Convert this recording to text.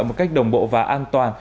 một cách đồng bộ và an toàn